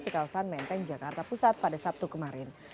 di kawasan menteng jakarta pusat pada sabtu kemarin